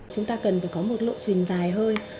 chúng ta cần phải có một lộ trình dài hơi